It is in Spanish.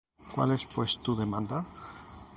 ¿Cuál es pues tu demanda?